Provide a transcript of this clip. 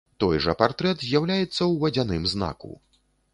Той жа партрэт з'яўляецца ў вадзяным знаку.